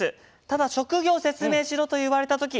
ただ職業を説明しろと言われた時。